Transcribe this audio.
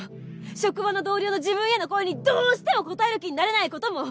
職場の同僚の自分への好意にどうしても応える気になれない事も。